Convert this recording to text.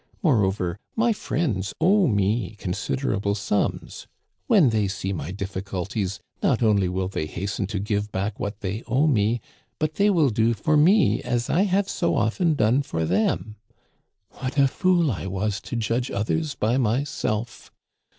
Moreover, my friends owe me considerable sums. When they see my difficulties, not only will they hasten to give back what they owe, but they will do for me as I have so often done for them.' What a fool I was to judge others by myself